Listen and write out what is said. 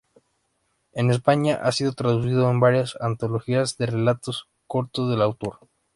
En España ha sido traducido en varias antologías de relatos cortos del autor.